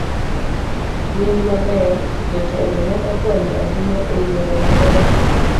Nying maber. Jotelo ne okonyo ahinya e yiero Mandela